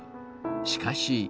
しかし。